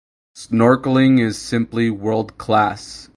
Snorkelling is simply world class.